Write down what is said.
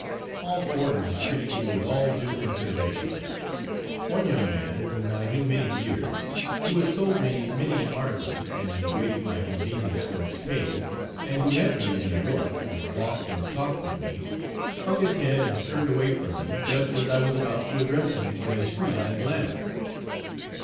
All foreigners treated me with all due consideration. One young man, whom I knew many years, who has sold me many an article, and awaited my convenience for his pay, and who met me in New York, and walked and talked with me, hung his head and turned away from me, just as I was about to address him on a street in Atlanta.